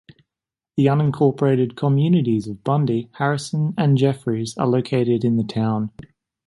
The unincorporated communities of Bundy, Harrison, and Jeffris are located in the town.